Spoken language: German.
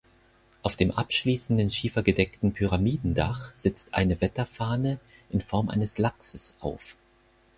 Auf dem abschließenden schiefergedeckten Pyramidendach sitzt eine Wetterfahne in Form eines Lachses auf.